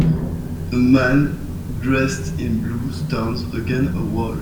A man dressed in blue stands against a wall.